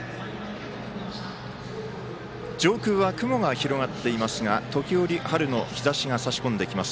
上空は雲が広がっていますが時折春の日ざしがさしこんできます